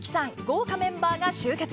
豪華メンバーが集結。